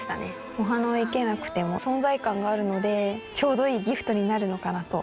お花を生けなくても存在感があるのでちょうどいいギフトになるのかなと。